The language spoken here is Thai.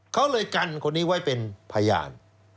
เขาเลยกันคนนี้ไว้เป็นพยาน